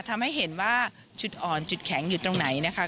ทำให้เห็นว่าจุดอ่อนจุดแข็งอยู่ตรงไหนนะคะ